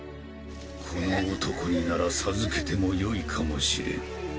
この男になら授けてもよいかもしれん